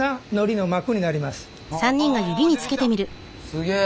すげえ。